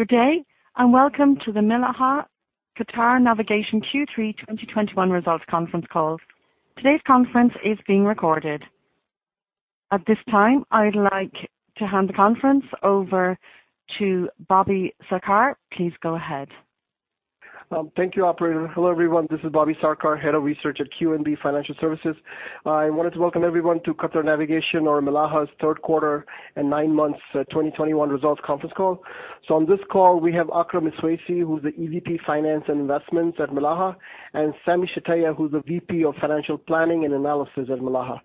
Good day, and welcome to the Milaha Qatar Navigation Q3 2021 Results Conference Call. Today's conference is being recorded. At this time, I'd like to hand the conference over to Bobby Sarkar. Please go ahead. Thank you, operator. Hello, everyone. This is Bobby Sarkar, Head of Research at QNB Financial Services. I wanted to welcome everyone to Qatar Navigation or Milaha's third quarter and nine months, 2021 results conference call. On this call, we have Akram Iswaisi, who's the EVP Finance and Investments at Milaha, and Sami Shtayyeh, who's the VP of Financial Planning and Analysis at Milaha.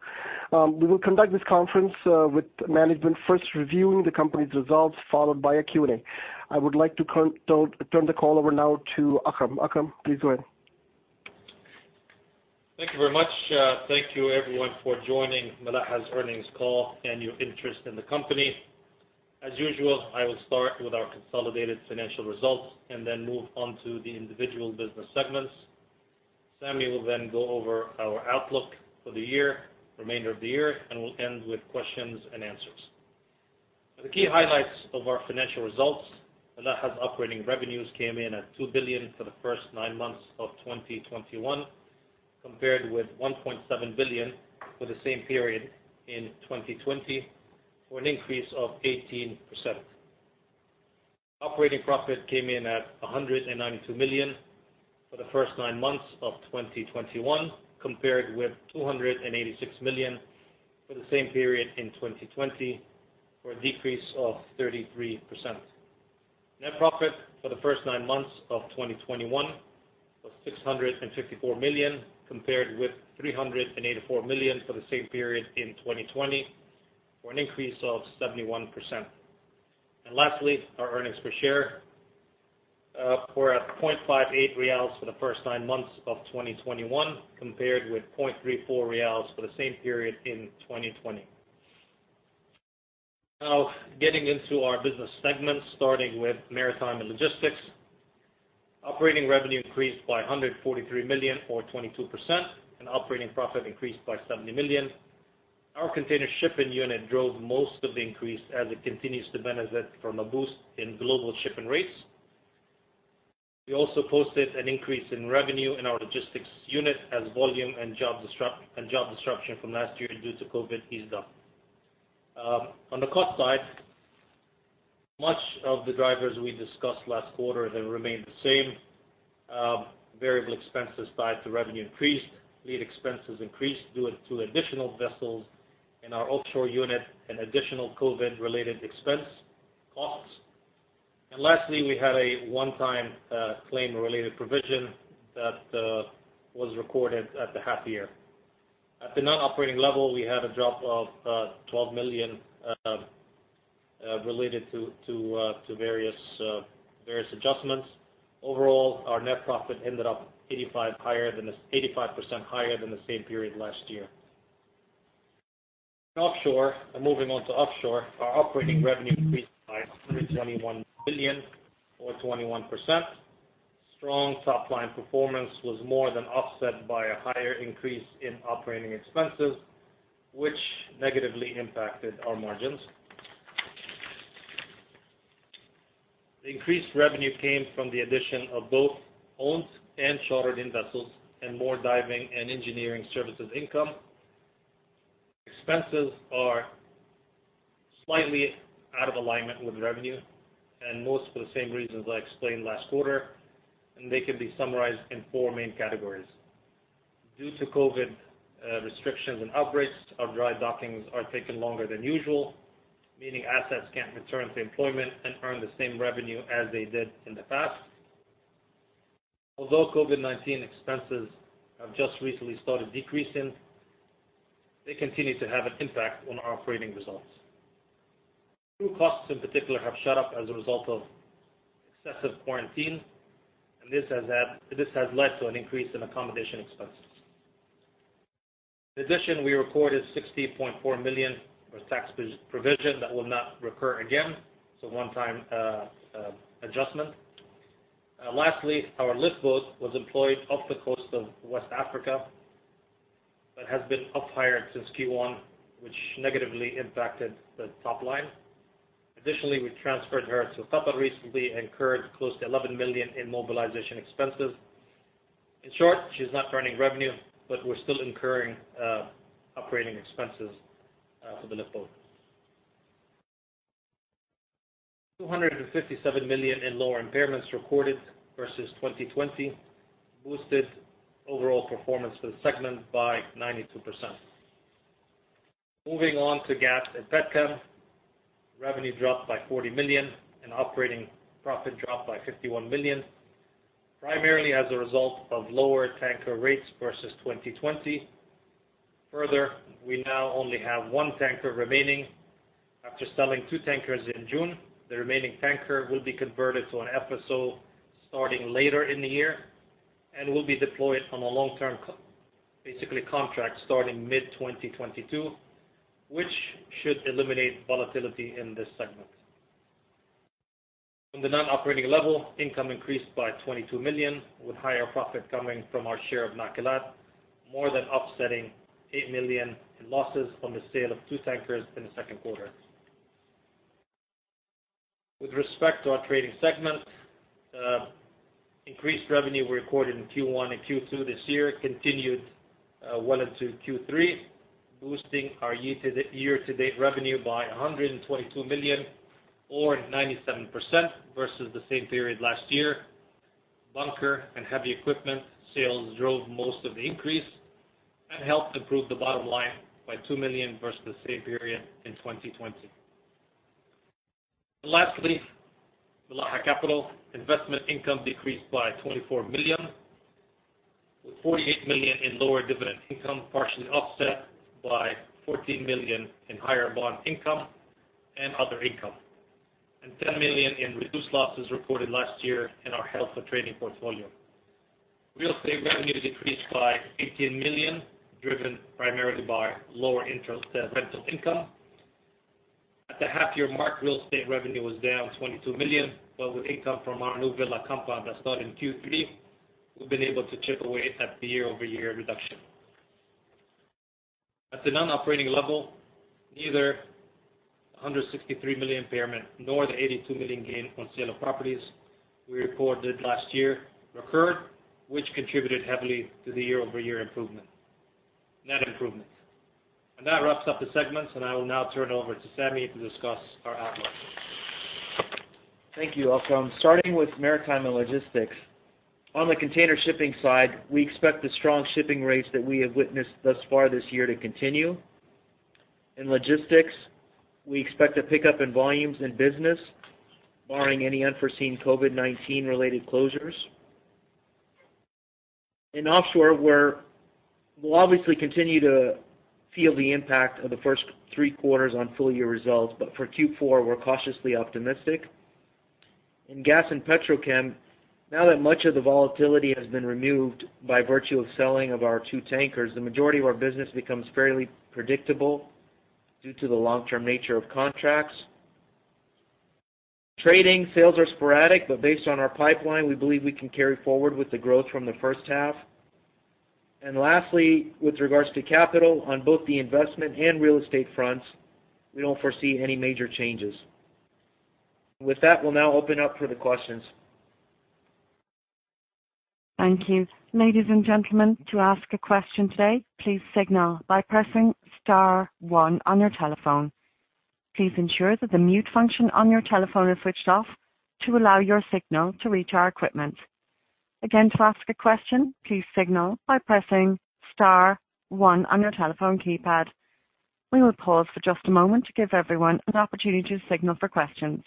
We will conduct this conference with management first reviewing the company's results, followed by a Q&A. I would like to turn the call over now to Akram. Akram, please go ahead. Thank you very much. Thank you everyone for joining Milaha's earnings call and your interest in the company. As usual, I will start with our consolidated financial results and then move on to the individual business segments. Sami will then go over our outlook for the year, remainder of the year, and we'll end with questions and answers. The key highlights of our financial results. Milaha's operating revenues came in at 2 billion for the first nine months of 2021, compared with 1.7 billion for the same period in 2020, for an increase of 18%. Operating profit came in at 192 million for the first nine months of 2021, compared with 286 million for the same period in 2020, for a decrease of 33%. Net profit for the first nine months of 2021 was 654 million, compared with 384 million for the same period in 2020, for an increase of 71%. Lastly, our earnings per share were at QAR 0.58 for the first nine months of 2021, compared with QAR 0.34 for the same period in 2020. Now, getting into our business segments, starting with maritime and logistics. Operating revenue increased by 143 million or 22%, and operating profit increased by 70 million. Our container shipping unit drove most of the increase as it continues to benefit from a boost in global shipping rates. We also posted an increase in revenue in our logistics unit as volume and job disruption from last year due to COVID eased up. On the cost side, much of the drivers we discussed last quarter have remained the same. Variable expenses tied to revenue increased. Fleet expenses increased due to two additional vessels in our Offshore unit and additional COVID-related expense costs. Lastly, we had a one-time claim-related provision that was recorded at the half-year. At the non-operating level, we had a drop of 12 million related to various adjustments. Overall, our net profit ended up 85% higher than the same period last year. In Offshore, moving on to offshore, our operating revenue increased by 321 million or 21%. Strong top-line performance was more than offset by a higher increase in operating expenses, which negatively impacted our margins. The increased revenue came from the addition of both owned and chartered-in vessels and more diving and engineering services income. Expenses are slightly out of alignment with revenue, and most for the same reasons I explained last quarter, and they can be summarized in four main categories. Due to COVID restrictions and outbreaks, our dry dockings are taking longer than usual, meaning assets can't return to employment and earn the same revenue as they did in the past. Although COVID-19 expenses have just recently started decreasing, they continue to have an impact on our operating results. Crew costs in particular have shot up as a result of excessive quarantine, and this has led to an increase in accommodation expenses. In addition, we recorded 60.4 million for tax basis provision that will not recur again, it's a one-time adjustment. Lastly, our lift boat was employed off the coast of West Africa, but has been laid up since Q1, which negatively impacted the top line. Additionally, we transferred her to [inaudible] recently and incurred close to 11 million in mobilization expenses. In short, she is not earning revenue, but we're still incurring operating expenses for the lift boat. 257 million in lower impairments recorded versus 2020 boosted overall performance for the segment by 92%. Moving on to Gas & Petrochem. Revenue dropped by 40 million and operating profit dropped by 51 million, primarily as a result of lower tanker rates versus 2020. Further, we now only have one tanker remaining. After selling two tankers in June, the remaining tanker will be converted to an FSO starting later in the year and will be deployed on a long-term contract starting mid-2022, which should eliminate volatility in this segment. On the non-operating level, income increased by 22 million, with higher profit coming from our share of Nakilat more than offsetting 8 million in losses on the sale of two tankers in the second quarter. With respect to our trading segment, increased revenue we recorded in Q1 and Q2 this year continued well into Q3, boosting our year-to-date revenue by 122 million or 97% versus the same period last year. Bunker and heavy equipment sales drove most of the increase and helped improve the bottom line by 2 million versus the same period in 2020. Lastly, Milaha Capital investment income decreased by 24 million, with 48 million in lower dividend income, partially offset by 14 million in higher bond income and other income, and 10 million in reduced losses reported last year in our health and trading portfolio. Real estate revenue decreased by 18 million, driven primarily by lower rental income. At the half year mark, real estate revenue was down 22 million, but with income from our new villa compound that started in Q3, we've been able to chip away at the year-over-year reduction. At the non-operating level, neither 163 million impairment nor the 82 million gain on sale of properties we reported last year occurred, which contributed heavily to the year-over-year net improvement. That wraps up the segments, and I will now turn over to Sami to discuss our outlook. Thank you, Akram. Starting with maritime and logistics. On the container shipping side, we expect the strong shipping rates that we have witnessed thus far this year to continue. In logistics, we expect a pickup in volumes in business, barring any unforeseen COVID-19 related closures. In offshore, we'll obviously continue to feel the impact of the first three quarters on full year results, but for Q4, we're cautiously optimistic. In Gas & Petrochem, now that much of the volatility has been removed by virtue of selling of our two tankers, the majority of our business becomes fairly predictable due to the long-term nature of contracts. Trading, sales are sporadic, but based on our pipeline, we believe we can carry forward with the growth from the first half. Lastly, with regards to capital on both the investment and real estate fronts, we don't foresee any major changes. With that, we'll now open up for the questions. Thank you. Ladies and gentlemen, to ask a question today, please signal by pressing star one on your telephone. Please ensure that the mute function on your telephone is switched off to allow your signal to reach our equipment. Again, to ask a question, please signal by pressing star one on your telephone keypad. We will pause for just a moment to give everyone an opportunity to signal for questions.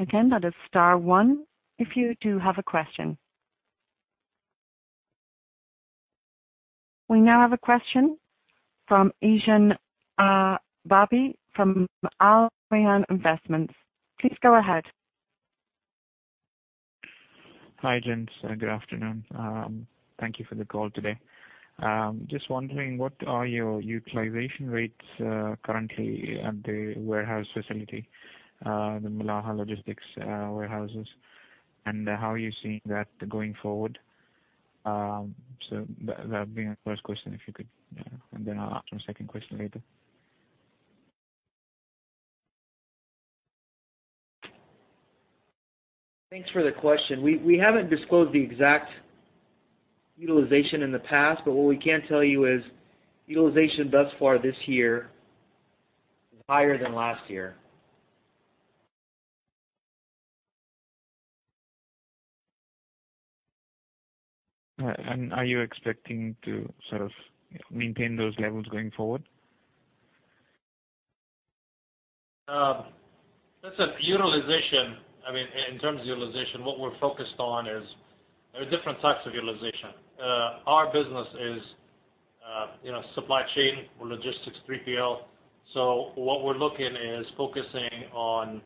Again, that is star one if you do have a question. We now have a question from, Bobby from Al Rayan Investment. Please go ahead. Hi, gents. Good afternoon. Thank you for the call today. Just wondering what are your utilization rates, currently at the warehouse facility, the Milaha Logistics warehouses, and how are you seeing that going forward? That'd be my first question, if you could. I'll ask my second question later. Thanks for the question. We haven't disclosed the exact utilization in the past, but what we can tell you is utilization thus far this year is higher than last year. All right. Are you expecting to sort of maintain those levels going forward? Listen, utilization, I mean, in terms of utilization, what we're focused on is there are different types of utilization. Our business is, you know, supply chain or logistics 3PL. So what we're looking is focusing on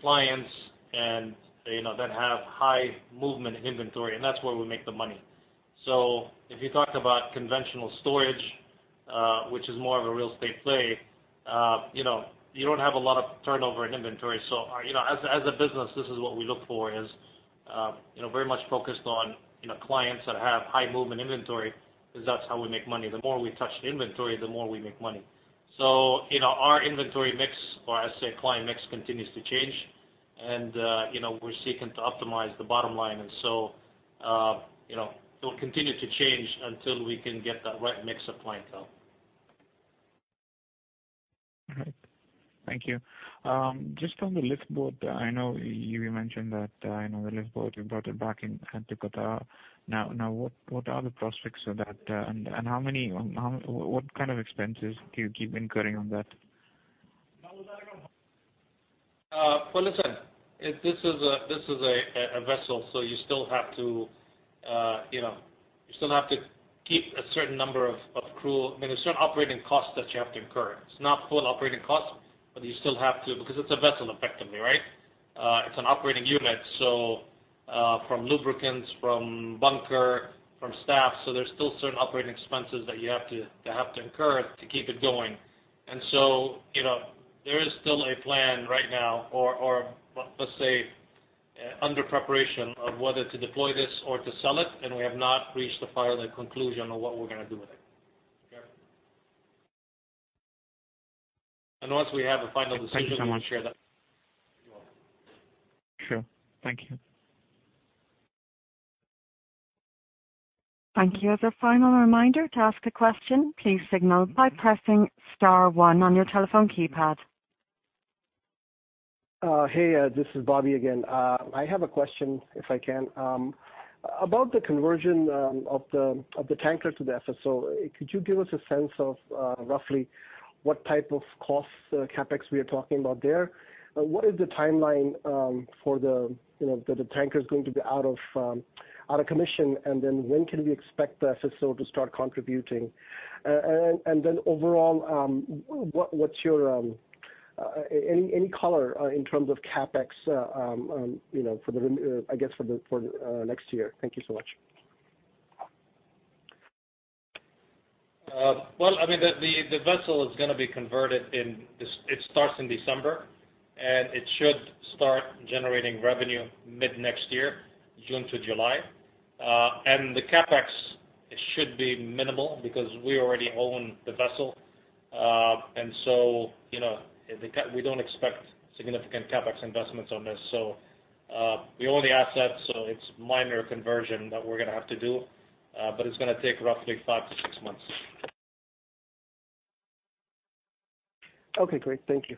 clients and, you know, that have high movement inventory, and that's where we make the money. So if you talk about conventional storage, which is more of a real estate play, you know, you don't have a lot of turnover in inventory. So, you know, as a business, this is what we look for is, you know, very much focused on, you know, clients that have high movement inventory, because that's how we make money. The more we touch the inventory, the more we make money. You know, our inventory mix or I say client mix continues to change and, you know, we're seeking to optimize the bottom line. You know, it will continue to change until we can get that right mix of clientele. All right. Thank you. Just on the lift boat, I know you mentioned that, you know, the lift boat, you brought it back into Qatar. Now, what are the prospects for that? And what kind of expenses do you keep incurring on that? Well, listen, this is a vessel, so you still have to you know keep a certain number of crew. I mean, there are certain operating costs that you have to incur. It's not full operating costs, but you still have to because it's a vessel effectively, right? It's an operating unit, so from lubricants, from bunker, from staff. So there's still certain operating expenses that you have to, they have to incur to keep it going. You know, there is still a plan right now, or let's say under preparation of whether to deploy this or to sell it. We have not reached the final conclusion on what we're gonna do with it. Okay. Once we have a final decision. We'll share that. Thank you so much. You're welcome. Sure. Thank you. Thank you. As a final reminder to ask a question, please signal by pressing star one on your telephone keypad. Hey, this is Bobby again. I have a question, if I can. About the conversion of the tanker to the FSO. Could you give us a sense of roughly what type of costs, CapEx we are talking about there? What is the timeline for the, you know, the tanker is going to be out of commission, and then when can we expect the FSO to start contributing? And then overall, what's your any color in terms of CapEx, you know, I guess for next year. Thank you so much. Well, I mean, the vessel is gonna be converted. It starts in December, and it should start generating revenue mid next year, June to July. The CapEx should be minimal because we already own the vessel. You know, we don't expect significant CapEx investments on this. We own the asset, so it's minor conversion that we're gonna have to do, but it's gonna take roughly five to six months. Okay, great. Thank you.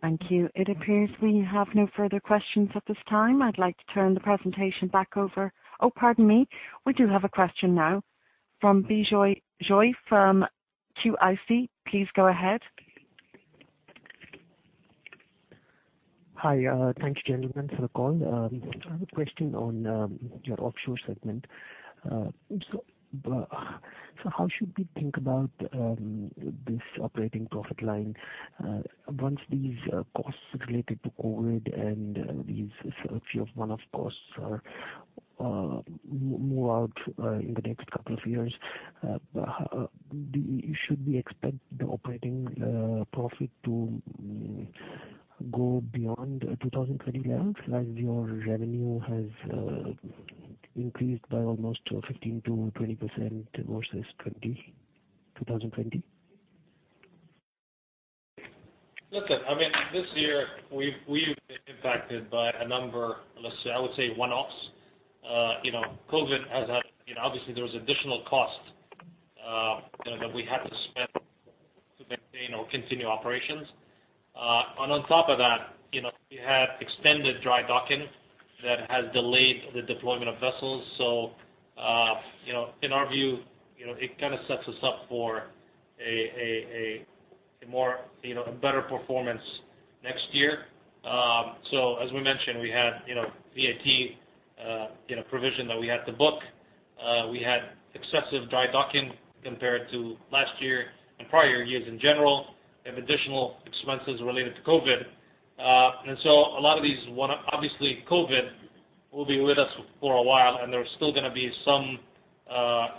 Thank you. It appears we have no further questions at this time. I'd like to turn the presentation back over. Oh, pardon me. We do have a question now from Bijoy Joy from QIC. Please go ahead. Hi. Thanks, gentlemen, for the call. I have a question on your offshore segment. How should we think about this operating profit line once these costs related to COVID and these few of one-off costs are more out in the next couple of years? Should we expect the operating profit to go beyond 2020 levels, as your revenue has increased by almost 15%-20% versus 2020? Listen, I mean, this year we've been impacted by a number, let's say, I would say one-offs. You know, obviously there was additional costs, you know, that we had to spend to maintain or continue operations. On top of that, you know, we had extended dry docking that has delayed the deployment of vessels. You know, in our view, you know, it kinda sets us up for a more, you know, a better performance next year. As we mentioned, we had, you know, VAT, you know, provision that we had to book. We had excessive dry docking compared to last year and prior years in general. We have additional expenses related to COVID. Obviously, COVID will be with us for a while, and there's still gonna be some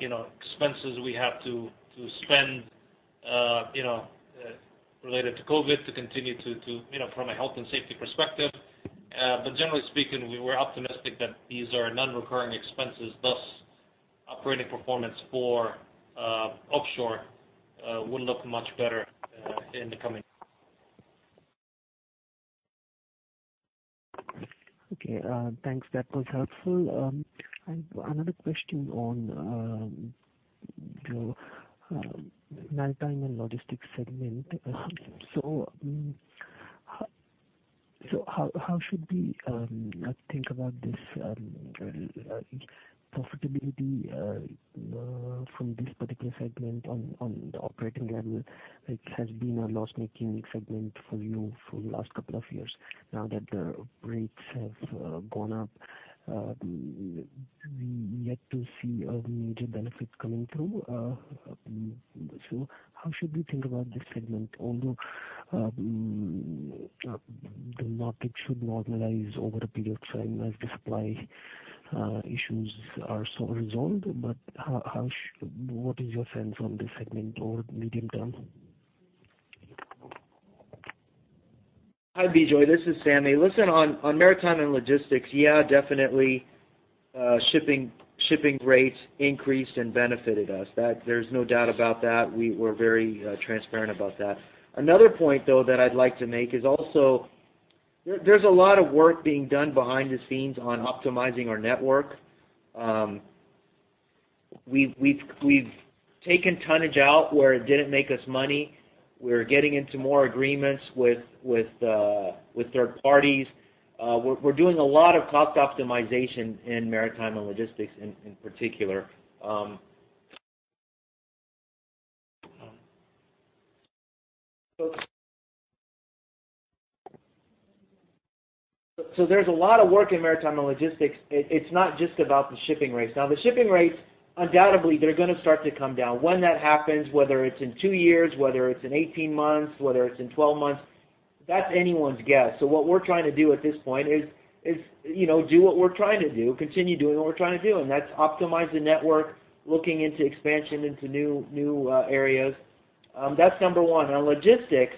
you know expenses we have to spend you know related to COVID to continue to you know from a health and safety perspective. Generally speaking, we were optimistic that these are non-recurring expenses, thus operating performance for offshore will look much better in the coming. Okay. Thanks. That was helpful. I've another question on your Maritime & Logistics segment. So how should we think about this profitability from this particular segment on the operating level? It has been a loss-making segment for you for the last couple of years. Now that the rates have gone up, we have yet to see a major benefit coming through. So how should we think about this segment? Although the market should normalize over a period of time as the supply issues are sort of resolved. What is your sense on this segment over medium term? Hi, Bijoy, this is Sami. Listen, on maritime and logistics, yeah, definitely, shipping rates increased and benefited us. There's no doubt about that. We were very transparent about that. Another point, though, that I'd like to make is also there's a lot of work being done behind the scenes on optimizing our network. We've taken tonnage out where it didn't make us money. We're getting into more agreements with third parties. We're doing a lot of cost optimization in Maritime & Logistics in particular. So there's a lot of work in maritime and logistics. It's not just about the shipping rates. Now, the shipping rates, undoubtedly, they're gonna start to come down. When that happens, whether it's in two years, whether it's in 18 months, whether it's in 12 months, that's anyone's guess. What we're trying to do at this point is, you know, do what we're trying to do, continue doing what we're trying to do, and that's optimize the network, looking into expansion into new areas. That's number one. Now, logistics,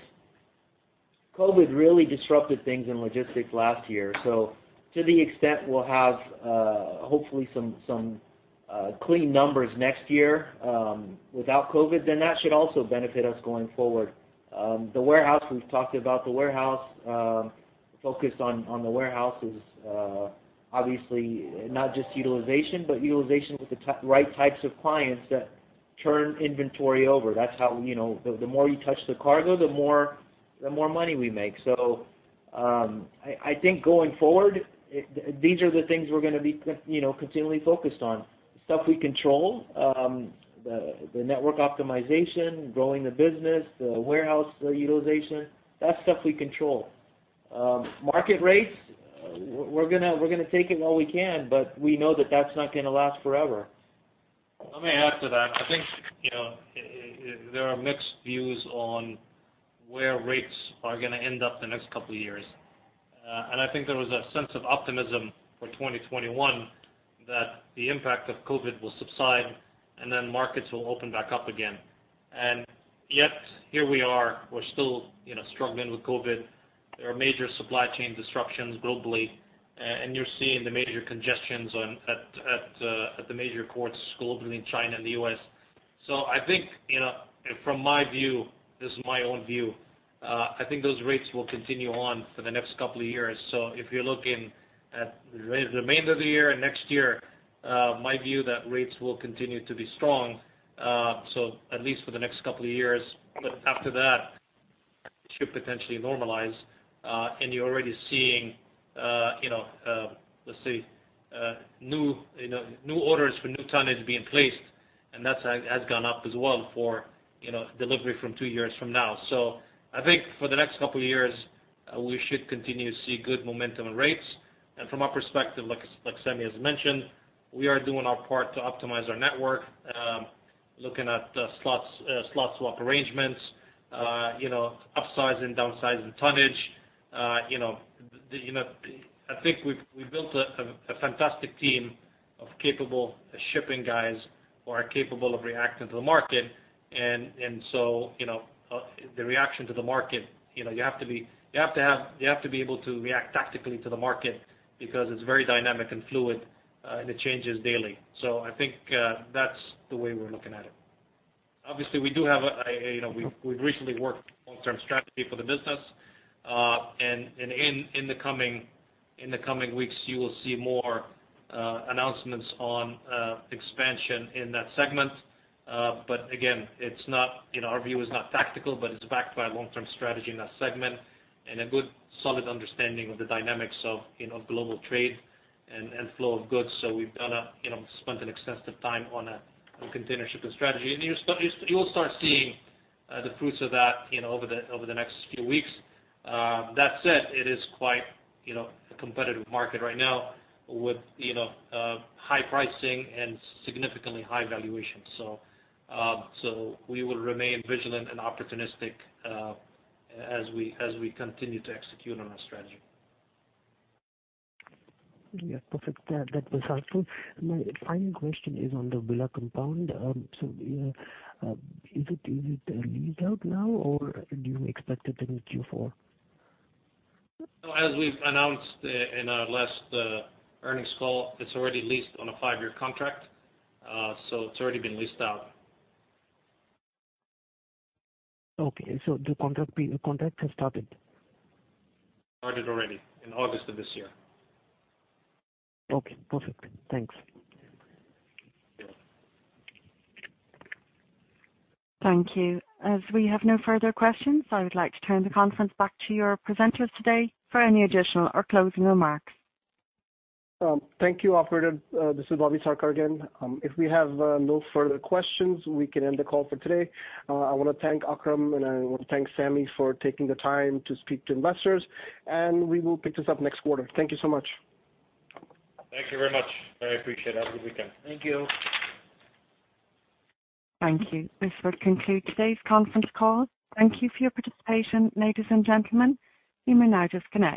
COVID really disrupted things in logistics last year. To the extent we'll have, hopefully some clean numbers next year, without COVID, then that should also benefit us going forward. The warehouse, we've talked about the warehouse. Focus on the warehouse is, obviously not just utilization, but utilization with the right types of clients that turn inventory over. That's how, you know. The more you touch the cargo, the more money we make. I think going forward, these are the things we're gonna be, you know, continually focused on. Stuff we control, the network optimization, growing the business, the warehouse utilization. That's stuff we control. Market rates, we're gonna take it while we can, but we know that that's not gonna last forever. Let me add to that. I think, you know, there are mixed views on where rates are gonna end up the next couple of years. I think there was a sense of optimism for 2021 that the impact of COVID will subside and then markets will open back up again. Yet here we are, we're still, you know, struggling with COVID. There are major supply chain disruptions globally, and you're seeing the major congestions at the major ports globally in China and the U.S. I think, you know, from my view, this is my own view, I think those rates will continue on for the next couple of years. If you're looking at the remainder of the year and next year, my view that rates will continue to be strong, at least for the next couple of years. After that, it should potentially normalize, and you're already seeing, you know, let's say, new orders for new tonnage being placed, and that has gone up as well for delivery from two years from now. I think for the next couple of years, we should continue to see good momentum and rates. From our perspective, like Sami has mentioned, we are doing our part to optimize our network, looking at slots, slot swap arrangements, you know, upsizing, downsizing tonnage. I think we've built a fantastic team of capable shipping guys who are capable of reacting to the market. You know, the reaction to the market. You know, you have to be able to react tactically to the market because it's very dynamic and fluid, and it changes daily. I think that's the way we're looking at it. Obviously, you know, we've recently worked long-term strategy for the business. In the coming weeks, you will see more announcements on expansion in that segment. Again, it's not, you know, our view is not tactical, but it's backed by a long-term strategy in that segment and a good solid understanding of the dynamics of, you know, global trade and flow of goods. We've spent an extensive time on a container shipping strategy. You'll start seeing the fruits of that, you know, over the next few weeks. That said, it is quite, you know, a competitive market right now with, you know, high pricing and significantly high valuations. We will remain vigilant and opportunistic as we continue to execute on our strategy. Yeah. Perfect. That was helpful. My final question is on the villa compound. So, is it leased out now or do you expect it in Q4? As we've announced in our last earnings call, it's already leased on a five-year contract. It's already been leased out. Okay. The contract has started? Started already in August of this year. Okay. Perfect. Thanks. Thank you. As we have no further questions, I would like to turn the conference back to your presenters today for any additional or closing remarks. Thank you, operator. This is Bobby Sarkar again. If we have no further questions, we can end the call for today. I wanna thank Akram, and I wanna thank Sami for taking the time to speak to investors, and we will pick this up next quarter. Thank you so much. Thank you very much. I appreciate it. Have a good weekend. Thank you. Thank you. This will conclude today's conference call. Thank you for your participation, ladies and gentlemen. You may now disconnect.